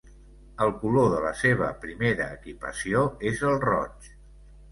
El color de la seva primera equipació és el roig.